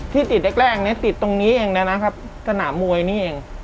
ที่ติดแรกแรกเนี่ยติดตรงนี้เองนะครับสนามมวยนี่เอง